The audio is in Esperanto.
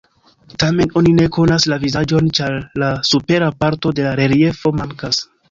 Tamen oni ne konas la vizaĝon, ĉar la supera parto de la reliefo mankas.